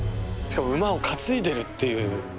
しかも馬を担いでるっていう。